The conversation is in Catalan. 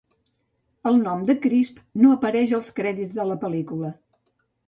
El nom de Crisp no apareix als crèdits de la pel·lícula.